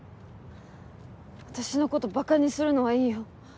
私の事馬鹿にするのはいいよ。